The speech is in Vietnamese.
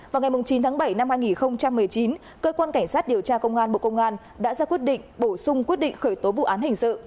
vào ngày chín tháng bảy năm hai nghìn một mươi chín cơ quan cảnh sát điều tra công an bộ công an đã ra quyết định bổ sung quyết định khởi tố vụ án hình sự